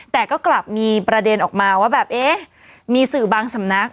แต่ก็กลับมีประเด็นออกมาว่าแบบเอ๊ะมีสื่อบางสำนัก